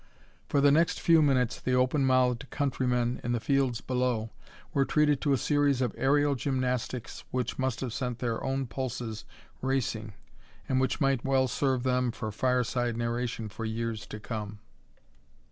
For the next few minutes the open mouthed countrymen in the fields below were treated to a series of aerial gymnastics which must have sent their own pulses racing and which might well serve them for fireside narration for years to come.